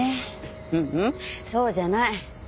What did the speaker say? ううんそうじゃない。